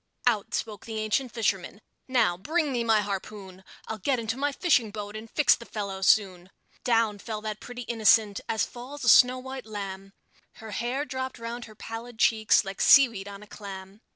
Out spoke the ancient fisherman: "Now, bring me my harpoon! I'll get into my fishing boat, and fix the fellow soon." Down fell that pretty innocent, as falls a snow white lamb; Her hair drooped round her pallid cheeks, like seaweed on a clam.